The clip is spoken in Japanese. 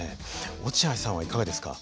落合さんはいかがですか。